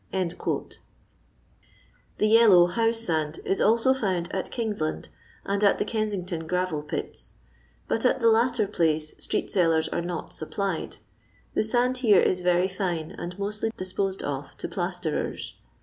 The yellow houite gand is also found at Kings land, and at the Kensington Gravel pits; but at the latter pkice street sellers are not supplied. The sand here is very fine, and mostly disposed of to plasterers.